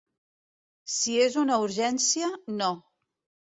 Si és una urgència, no.